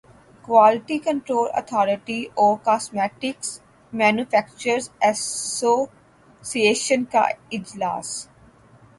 quality control authority اور cosmetics manufacturers association کا اجلاس